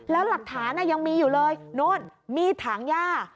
แล้วหลักฐานยังมีอยู่เลยนู่นมีดถังย่า